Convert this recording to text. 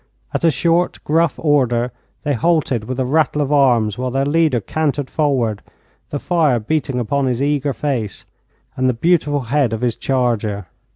At a short, gruff order they halted with a rattle of arms, while their leader cantered forward, the fire beating upon his eager face and the beautiful head of his charger.